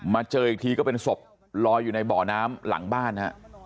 เจออีกทีก็เป็นศพลอยอยู่ในบ่อน้ำหลังบ้านฮะ